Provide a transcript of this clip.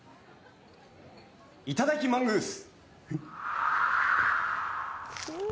いただきマングース！